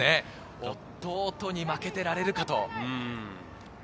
弟に負けていられるかと。